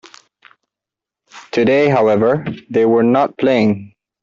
Today, however, they were not playing.